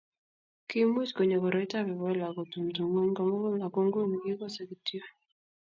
kimuch konyo koroitab ebola aku tumtum ng'ony ko mugul aku nguni kikosei kityo